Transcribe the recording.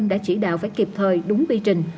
đã chỉ đạo phải kịp thời đúng vi trình